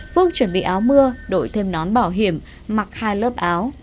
phước chuẩn bị áo mưa đội thêm nón bảo hiểm mặc hai lớp áo